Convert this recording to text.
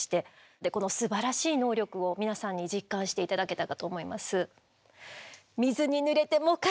でこのすばらしい能力を皆さんに実感して頂けたかと思います。